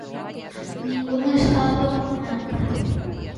¡Ningún Estado membro!